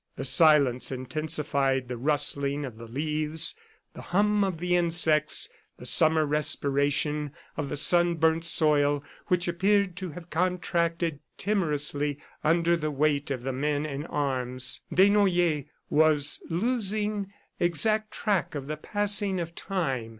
The silence intensified the rustling of the leaves, the hum of the insects, the summer respiration of the sunburnt soil which appeared to have contracted timorously under the weight of the men in arms. Desnoyers was losing exact track of the passing of time.